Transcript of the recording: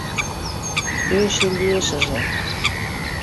Кӧ эше лиешыже?